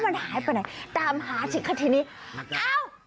มันหายไปไหนตามหาสิคะทีนี้อ้าว